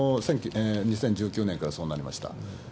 これ、２０１９年からそうなりました。